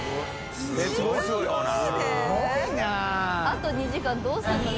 あと２時間どうするんだ？